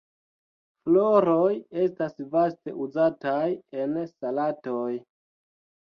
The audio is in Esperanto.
Floroj estas vaste uzataj en salatoj.